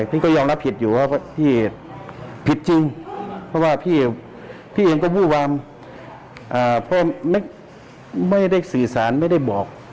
เพราะว่าพี่เองก็ว่าไม่ได้สื่อสารไม่ได้บอก